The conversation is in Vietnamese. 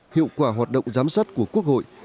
hiệu quả hoạt động giám sát của quốc hội